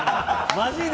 マジで。